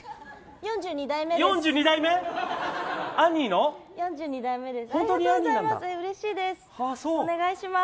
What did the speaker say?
４２代目です。